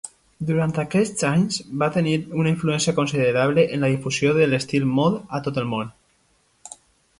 Durant aquests anys, va tenir una influència considerable en la difusió de l'estil mod a tot el món.